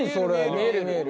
見える見える。